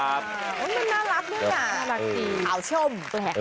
มันน่ารักด้วยน่ะขาวชม